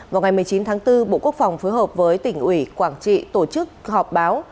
vào ngày một mươi chín tháng bốn bộ quốc phòng phối hợp với tỉnh ủy quảng trị tổ chức họp báo